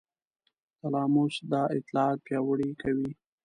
تلاموس دا اطلاعات پیاوړي کوي.